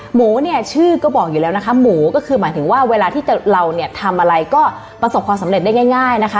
หมูเนี่ยชื่อก็บอกอยู่แล้วนะคะหมูก็คือหมายถึงว่าเวลาที่เราเนี่ยทำอะไรก็ประสบความสำเร็จได้ง่ายนะคะ